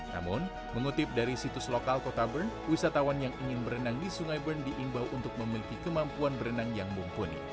namun mengutip dari situs lokal kota bern wisatawan yang ingin berenang di sungai bern diimbau untuk memiliki kemampuan berenang yang mumpuni